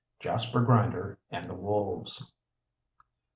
JASPER GRINDER AND THE WOLVES.